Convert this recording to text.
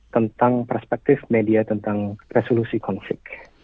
tentang perspektif media tentang resolusi konflik